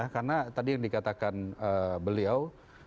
karena tadi yang dikatakan beliau